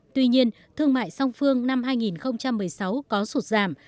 tuy nhiên thương mại song phương năm hai nghìn một mươi sáu có sụt giảm